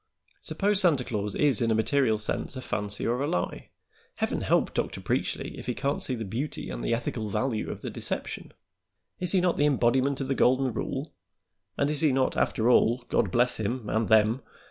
Suppose Santa Claus is in a material sense a fancy or a lie; Heaven help Dr. Preachly if he can't see the beauty and the ethical value of the deception. Is he not the embodiment of the golden rule, and is he not, after all God bless him and them!